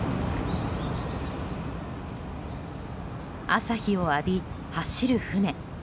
朝日を浴び、走る船。